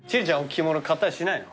着物買ったりしないの？